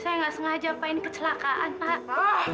saya nggak sengaja main kecelakaan pak